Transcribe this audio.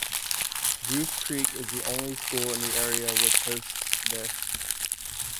Goose Creek is the only school in the area which hosts this.